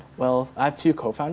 saya memiliki dua pengembang